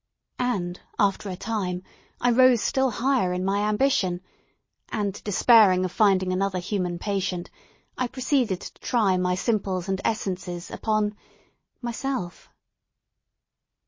And after a time I rose still higher in my ambition; and despairing of finding another human patient, I proceeded to try my simples and essences upon myself.